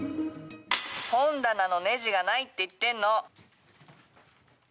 本棚のネジがないって言ってんの。